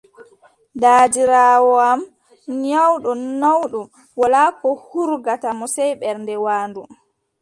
Daadiraawo am nyawɗo naawɗum, wolaa ko hurgata mo sey ɓernde waandu.